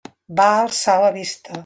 Va alçar la vista.